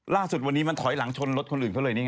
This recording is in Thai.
ล่าสุดวันนี้มันถอยหลังชนรถคนอื่นเขาเลยนี่ฮะ